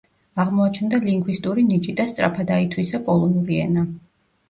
აღმოაჩნდა ლინგვისტური ნიჭი და სწრაფად აითვისა პოლონური ენა.